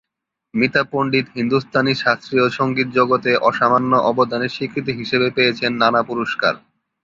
মিতা পণ্ডিত হিন্দুস্তানি শাস্ত্রীয় সংগীত জগতে অসামান্য অবদানের স্বীকৃতি হিসেবে পেয়েছেন নানা পুরস্কার।